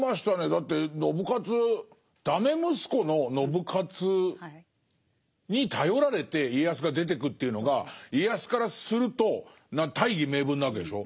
だって信雄ダメ息子の信雄に頼られて家康が出てくっていうのが家康からすると大義名分なわけでしょ。